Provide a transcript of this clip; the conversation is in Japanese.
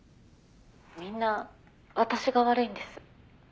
「みんな私が悪いんです」